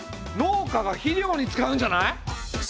農家が肥料に使うんじゃない？